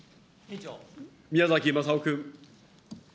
宮崎雅夫君。